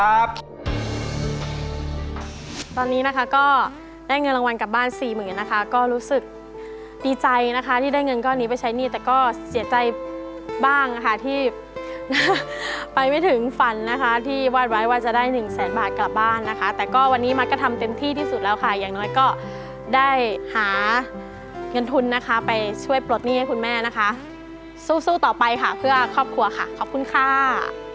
ตอนนี้นะคะก็ได้เงินรางวัลกลับบ้านสี่หมื่นนะคะก็รู้สึกดีใจนะคะที่ได้เงินก้อนนี้ไปใช้หนี้แต่ก็เสียใจบ้างนะคะที่ไปไม่ถึงฝันนะคะที่วาดไว้ว่าจะได้หนึ่งแสนบาทกลับบ้านนะคะแต่ก็วันนี้มัดก็ทำเต็มที่ที่สุดแล้วค่ะอย่างน้อยก็ได้หาเงินทุนนะคะไปช่วยปลดหนี้ให้คุณแม่นะคะสู้ต่อไปค่ะเพื่อครอบครัวค่ะขอบคุณค่ะ